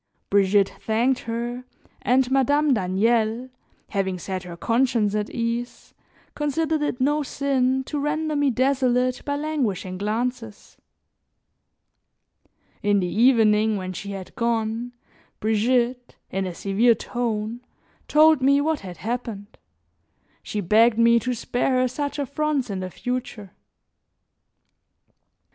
Brigitte thanked her, and Madame Daniel, having set her conscience at ease, considered it no sin to render me desolate by languishing glances. In the evening when she had gone, Brigitte, in a severe tone, told me what had happened; she begged me to spare her such affronts in the future.